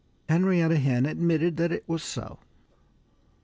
Henrietta Hen admitted that it was so.